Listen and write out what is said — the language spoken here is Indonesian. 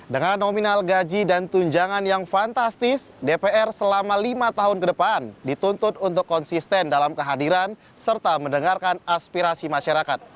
dengan nominal gaji dan tunjangan yang fantastis dpr selama lima tahun ke depan dituntut untuk konsisten dalam kehadiran serta mendengarkan aspirasi masyarakat